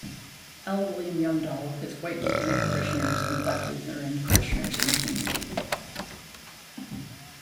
L. William Youngdahl, his white Lutheran parishioners and black Lutheran parishioners in the community.